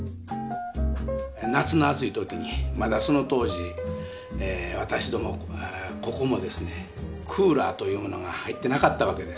夏の暑い時にまだその当時私どもここもですねクーラーというものが入ってなかったわけです。